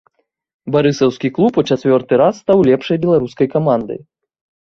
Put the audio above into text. Барысаўскі клуб у чацвёрты раз стаў лепшай беларускай камандай.